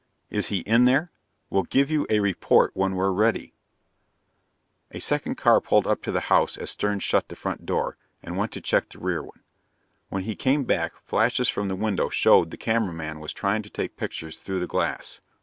"Is he in there?" "We'll give you a report when we're ready." A second car pulled up to the house as Stern shut the front door, and went to check the rear one. When he came back, flashes from the window showed the cameraman was trying to take pictures through the glass.